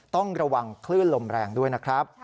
ต้องระวังคลื่นลมแรงด้วยนะครับ